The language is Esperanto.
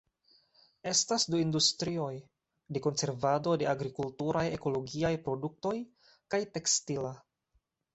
Estas du industrioj: de konservado de agrikulturaj ekologiaj produktoj kaj tekstila.